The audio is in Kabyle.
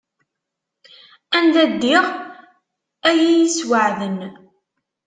Anda ddiɣ ad yi-yesweεden.